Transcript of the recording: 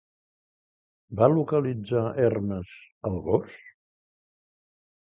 Va localitzar Hermes al gos?